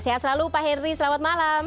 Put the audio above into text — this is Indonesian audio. sehat selalu pak henry selamat malam